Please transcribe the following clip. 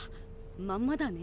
まんまだね。